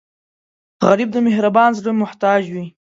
غریب د مهربان زړه محتاج وي